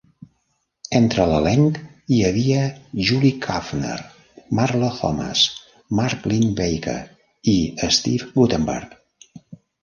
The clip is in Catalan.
Entre l'elenc hi havia Julie Kavner, Marlo Thomas, Mark Linn-Baker i Steve Guttenberg.